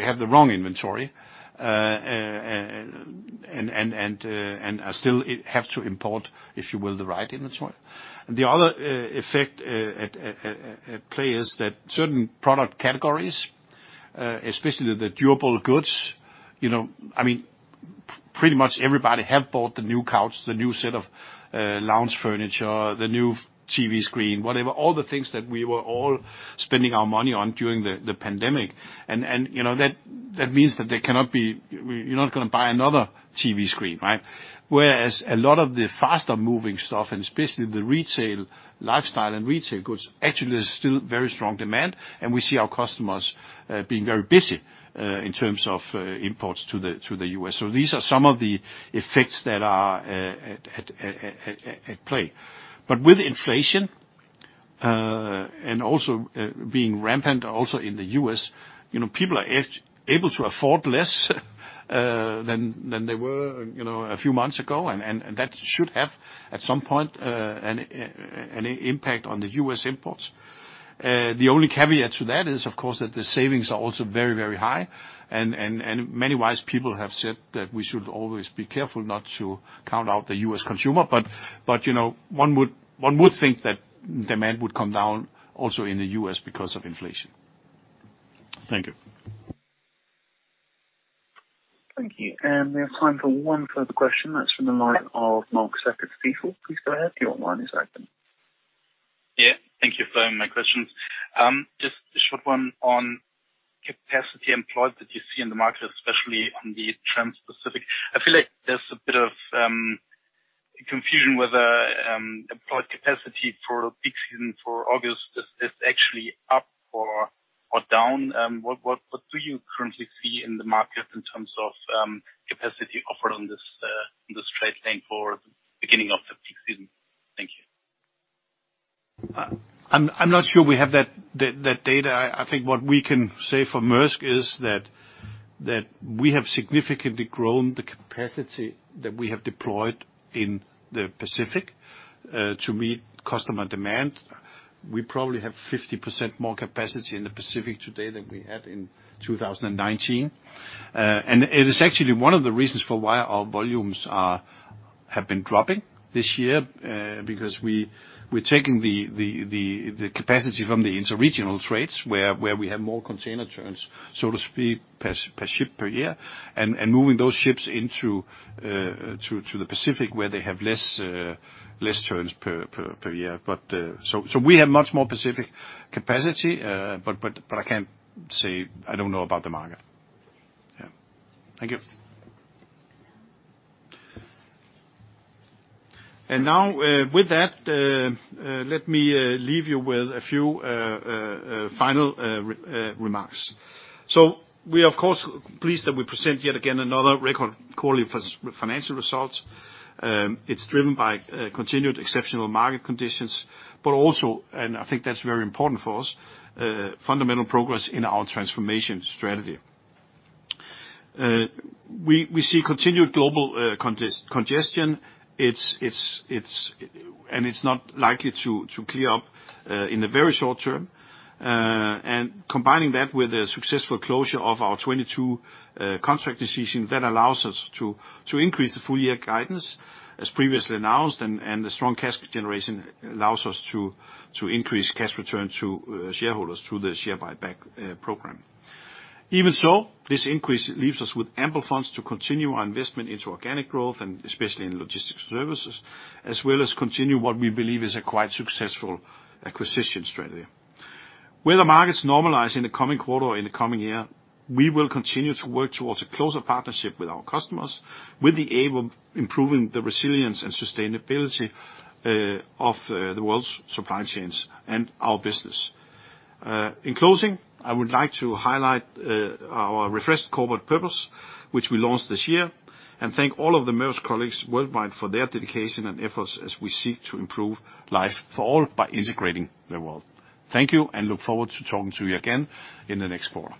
have the wrong inventory and are still have to import, if you will, the right inventory. The other effect at play is that certain product categories, especially the durable goods, you know, I mean, pretty much everybody have bought the new couch, the new set of lounge furniture, the new TV screen, whatever, all the things that we were all spending our money on during the pandemic. You know, that means that they cannot be. You're not gonna buy another TV screen, right? Whereas a lot of the faster moving stuff, and especially the retail lifestyle and retail goods, actually there's still very strong demand, and we see our customers being very busy in terms of imports to the U.S. These are some of the effects that are at play. With inflation and also being rampant also in the U.S., you know, people are able to afford less than they were a few months ago, and that should have, at some point, an impact on the U.S. imports. The only caveat to that is, of course, that the savings are also very, very high and many wise people have said that we should always be careful not to count out the U.S. Consumer. You know, one would think that demand would come down also in the U.S. because of inflation. Thank you. Thank you. We have time for one further question, that's from the line of Marco Limite, Stifel. Please go ahead, your line is open. Yeah. Thank you for my questions. Just a short one on capacity employed that you see in the market, especially on the Trans-Pacific. I feel like there's a bit of confusion with employed capacity for peak season for August. Is actually up or down? What do you currently see in the market in terms of capacity offered on this trade lane for beginning of the peak season? Thank you. I'm not sure we have that data. I think what we can say for Maersk is that we have significantly grown the capacity that we have deployed in the Pacific to meet customer demand. We probably have 50% more capacity in the Pacific today than we had in 2019. It is actually one of the reasons for why our volumes have been dropping this year because we're taking the capacity from the inter-regional trades, where we have more container turns, so to speak, per ship per year, and moving those ships into the Pacific where they have less turns per year. So we have much more Pacific capacity. But I can't say. I don't know about the market. Yeah. Thank you. Now, with that, let me leave you with a few final remarks. We are, of course, pleased that we present yet again another record quarterly financial result. It's driven by continued exceptional market conditions, but also, and I think that's very important for us, fundamental progress in our transformation strategy. We see continued global congestion. It's not likely to clear up in the very short term. Combining that with a successful closure of our 2022 contract decision, that allows us to increase the full year guidance, as previously announced, and the strong cash generation allows us to increase cash return to shareholders through the share buyback program. Even so, this increase leaves us with ample funds to continue our investment into organic growth, and especially in logistics services, as well as continue what we believe is a quite successful acquisition strategy. Where the markets normalize in the coming quarter or in the coming year, we will continue to work towards a closer partnership with our customers, with the aim of improving the resilience and sustainability of the world's supply chains and our business. In closing, I would like to highlight our refreshed corporate purpose, which we launched this year, and thank all of the Maersk colleagues worldwide for their dedication and efforts as we seek to improve life for all by integrating the world. Thank you, and look forward to talking to you again in the next quarter.